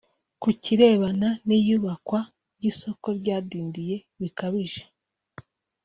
Ku kirebana n’iyubakwa ry’isoko ryadindiye bikabije